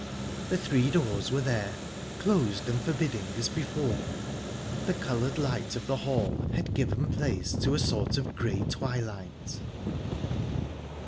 The three doors were there closed and forbidding, as before. The coloured light of the hall had given the place to a sort of grey twilight...